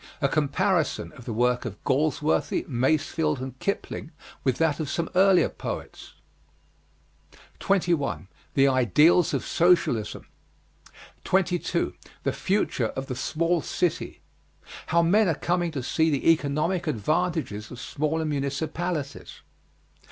A comparison of the work of Galsworthy, Masefield and Kipling with that of some earlier poets. 21. THE IDEALS OF SOCIALISM. 22. THE FUTURE OF THE SMALL CITY. How men are coming to see the economic advantages of smaller municipalities.